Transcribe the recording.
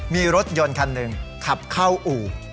มีรถยนต์คันหนึ่งขับเข้าอู่